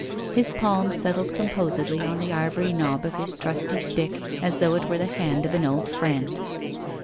His palm settled composedly on the ivory knob of his trusty stick, as though it were the hand of an old friend.